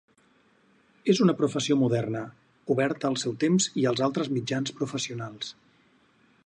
És una professió moderna, oberta al seu temps i els altres mitjans professionals.